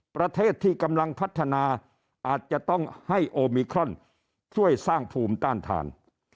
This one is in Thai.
ประเทศที่กำลังพัฒนาอาจจะต้องให้โอมิครอนช่วยสร้างภูมิต้านทาน